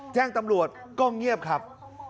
แจ้งตำรวจก็เงียบครับ